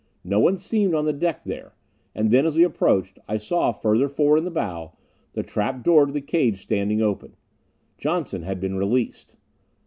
No one seemed on the deck there; and then, as we approached, I saw, further forward in the bow, the trap door to the cage standing open. Johnson had been released.